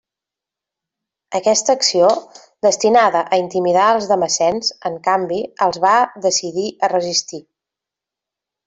Aquesta acció, destinada a intimidar als damascens, en canvi els va decidir a resistir.